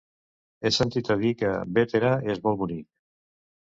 He sentit a dir que Bétera és molt bonic.